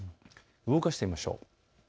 動かしてみましょう。